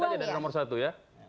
lihat tadi ada nomor satu ya